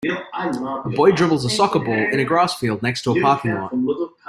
A boy dribbles a soccer ball in a grass field next to a parking lot.